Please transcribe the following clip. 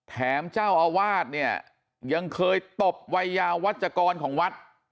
แถมเจ้าอาวาสเนี่ยยังเคยตบวัยยาวัชกรของวัด